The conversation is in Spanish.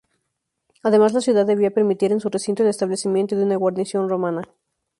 Además la ciudad debía permitir en su recinto el establecimiento de una guarnición romana.